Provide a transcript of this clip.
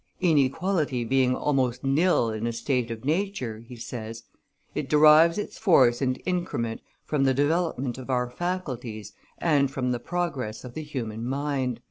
"Inequality being almost nil in a state of nature," he says, "it derives its force and increment from the development of our faculties and from the progress of the human mind